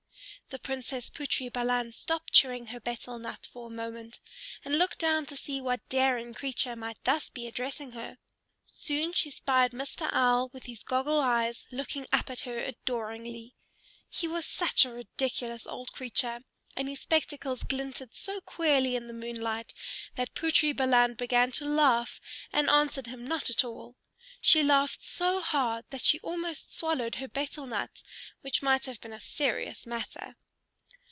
The Princess Putri Balan stopped chewing her betel nut for a moment and looked down to see what daring creature might thus be addressing her. Soon she spied Mr. Owl with his goggle eyes looking up at her adoringly. He was such a ridiculous old creature, and his spectacles glinted so queerly in the moonlight, that Putri Balan began to laugh and answered him not at all. She laughed so hard that she almost swallowed her betel nut, which might have been a serious matter.